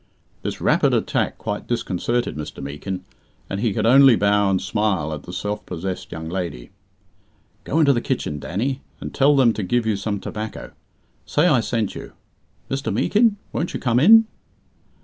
This rapid attack quite disconcerted Mr. Meekin, and he could only bow and smile at the self possessed young lady. "Go into the kitchen, Danny, and tell them to give you some tobacco. Say I sent you. Mr. Meekin, won't you come in?"